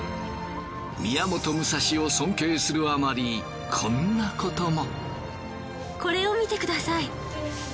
宮本武蔵を尊敬するあまりこんなことも。